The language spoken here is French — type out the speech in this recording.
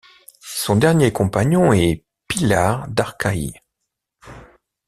Son dernier compagnon est Pillard d'Arkaï.